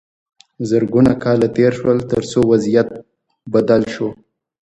زرګونه کاله تیر شول تر څو وضعیت بدل شو.